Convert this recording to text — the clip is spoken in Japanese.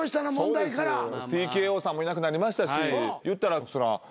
ＴＫＯさんもいなくなりましたしいったらそら。